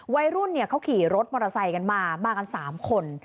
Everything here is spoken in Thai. วัยรุ่นเขาขี่รถมอเตอร์ไซค์กันมามากัน๓คน